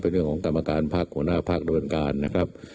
เพื่อน้ำของกรรมการภักพ์หัวหน้าภักดิ์ตนการนะครับ